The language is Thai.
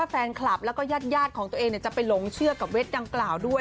แฟนคลับแล้วก็ญาติของตัวเองจะไปหลงเชื่อกับเว็บดังกล่าวด้วย